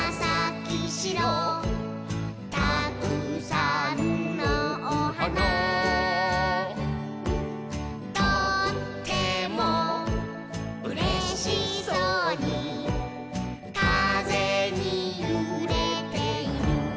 「たくさんのおはな」「とってもうれしそうにかぜにゆれている」